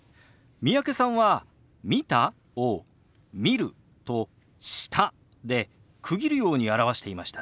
三宅さんは「見た？」を「見る」と「した」で区切るように表していましたね。